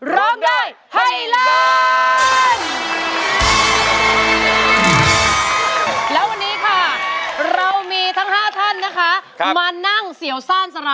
ร้องได้ไทยร้าง